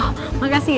terima kasih ya